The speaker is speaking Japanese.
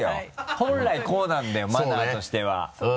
本来こうなんだよマナーとしてはそうね。